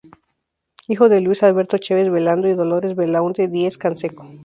Hijo de Luis Alberto Chaves Velando y Dolores Belaunde Diez-Canseco.